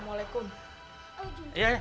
mana tuh anaknya